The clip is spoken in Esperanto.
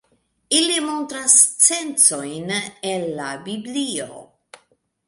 Ili montras scencojn el la Biblio.